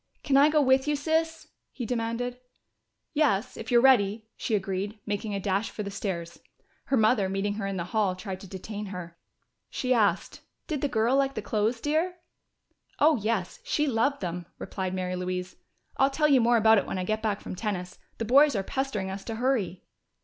"Can I go with you, Sis?" he demanded. "Yes, if you're ready," she agreed, making a dash for the stairs. Her mother, meeting her in the hall, tried to detain her. She asked, "Did the girl like the clothes, dear?" "Oh, yes, she loved them," replied Mary Louise. "I'll tell you more about it when I get back from tennis. The boys are pestering us to hurry."